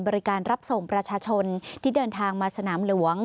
รับส่งประชาชนที่เดินทางมาสนามหลวง